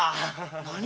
何？